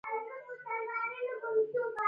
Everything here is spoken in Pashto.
د نویو ښوونځیو جوړول ښې پایلې لري.